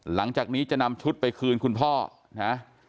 หลังจากนี้จะนำชุดไปคืนคุณพ่อนะ